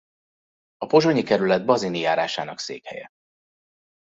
A Pozsonyi kerület Bazini járásának székhelye.